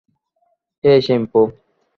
হ্যাঁ, শ্যাম্পু।